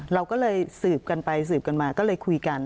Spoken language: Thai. เราก็เลยสืบกันไปสืบกันมาก็เลยคุยกัน